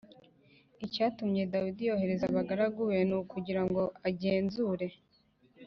Icyatumye dawidi yohereza abagaragu be ni ukugira ngo agenzure